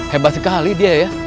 hebat sekali dia ya